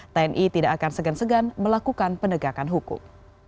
tni tidak akan segan segan melakukan penegakan hukum